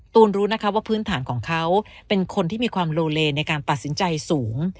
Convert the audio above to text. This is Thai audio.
รู้นะคะว่าพื้นฐานของเขาเป็นคนที่มีความโลเลในการตัดสินใจสูง